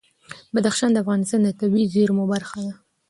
بدخشان د افغانستان د طبیعي زیرمو برخه ده.